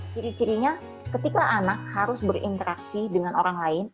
ciri cirinya ketika anak harus berinteraksi dengan orang lain